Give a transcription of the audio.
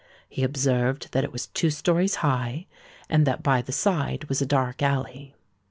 He observed that it was two storeys high, and that by the side was a dark alley.